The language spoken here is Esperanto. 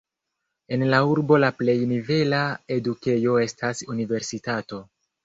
En la urbo la plej nivela edukejo estas universitato.